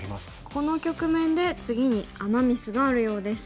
この局面で次にアマ・ミスがあるようです。